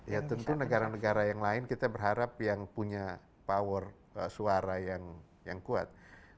ya tentu negara negara yang lain kita berharap yang punya power suara yang kuat